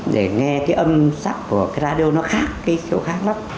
để nghe cái âm sắc của cái radio nó khác cái chỗ khác lắm